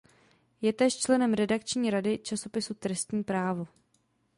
Je též členem redakční rady časopisu "Trestní právo".